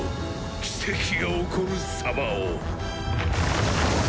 奇跡が起こる様を。